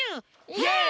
イエイ！